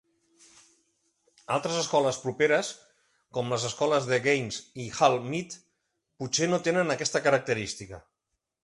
Altres escoles properes, com les escoles de Gaynes i Hall Mead, potser no tenen aquesta característica.